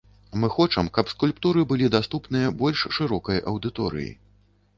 Мы хочам, каб скульптуры былі даступныя больш шырокай аўдыторыі.